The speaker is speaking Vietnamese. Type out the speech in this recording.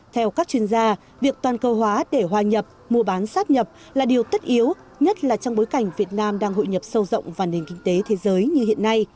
theo các chuyên gia việc toàn cầu hóa để hòa nhập mua bán sát nhập là điều tất yếu nhất là trong bối cảnh việt nam đang hội nhập sâu rộng vào nền kinh tế thế giới như hiện nay